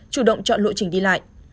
chủ động chọn lộ trình đi lại